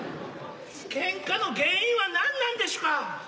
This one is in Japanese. ケンカの原因は何なんでしゅか？